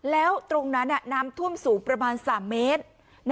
แล้วตรงนั้นน้ำท่วมสูงประมาณ๓เมตร